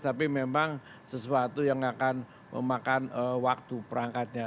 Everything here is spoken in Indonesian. tapi memang sesuatu yang akan memakan waktu perangkatnya